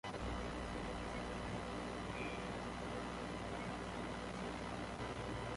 لە عەدەن دەریێ ئاگرێکی گەش